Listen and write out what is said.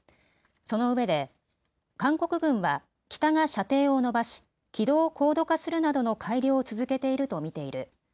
そのうえで韓国軍は北が射程を伸ばし軌道を高度化するなどの改良を続けていると見ている。